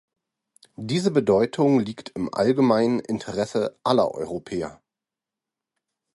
Diese Bedeutung liegt im allgemeinen Interesse aller Europäer.